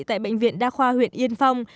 tại bệnh viện đa khoa huyện yên phong